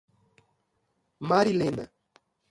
Marilena